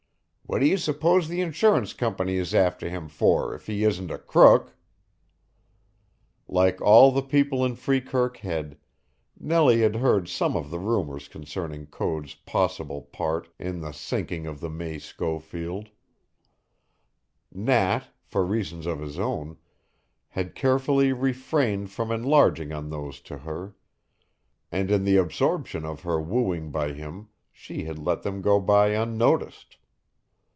What do you suppose the insurance company is after him for if he isn't a crook?" Like all the people in Freekirk Head, Nellie had heard some of the rumors concerning Code's possible part in the sinking of the May Schofield. Nat, for reasons of his own, had carefully refrained from enlarging on these to her, and in the absorption of her wooing by him she had let them go by unnoticed.